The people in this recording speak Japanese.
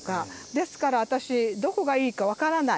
ですから私どこがいいか分からない。